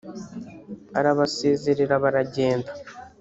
arabasezerera baragenda